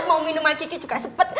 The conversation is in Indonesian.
mau minuman kiki juga sepet